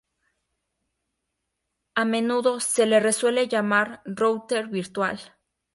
A menudo se le suele llamar "router virtual".